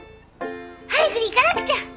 早く行かなくちゃ！